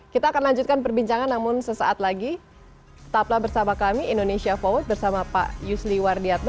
kita akan lanjutkan perbincangan namun sesaat lagi tetaplah bersama kami indonesia forward bersama pak yusli wardiyatno